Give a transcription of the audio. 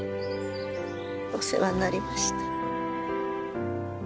お世話になりました。